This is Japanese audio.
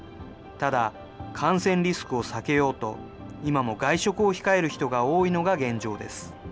ただ、感染リスクを避けようと、今も外食を控える人が多いのが現状です。